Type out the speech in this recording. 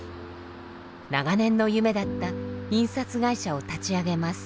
長年の夢だった印刷会社を立ち上げます。